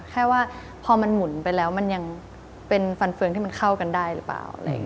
แค่ว่าพอมันหมุนไปแล้วมันยังเป็นฟันเฟืองที่มันเข้ากันได้หรือเปล่า